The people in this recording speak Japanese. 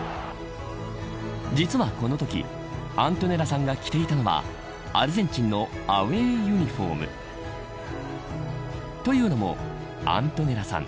実は、このときアントネラさんが着ていたのはアルゼンチンのアウェー・ユニホーム。というのも、アントネラさん